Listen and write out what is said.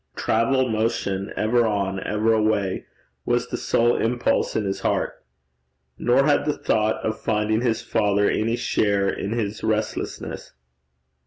Travel, motion, ever on, ever away, was the sole impulse in his heart. Nor had the thought of finding his father any share in his restlessness.